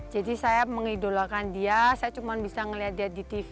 jadi saya mengidolakan dia saya cuma bisa melihat dia di tv